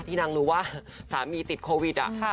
ที่นางรู้ว่าสามีติดโควิด